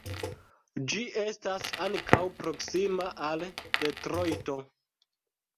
Ĝi estas ankaŭ proksima al Detrojto.